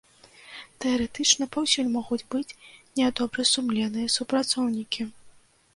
Тэарэтычна паўсюль могуць быць нядобрасумленныя супрацоўнікі.